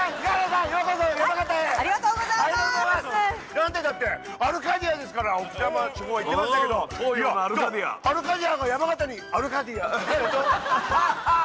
なんてったってアルカディアですから置賜地方は言ってましたけどアルカディアが山形にアルカディア。